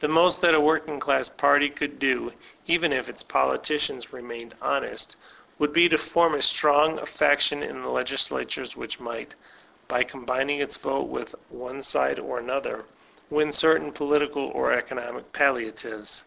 The most that a working class party could do, even if its politicians remained honest, would be to form a strong faction in the l^slatures, which might, by com bining its vote with one side or the other, win certain political or economic palliatives.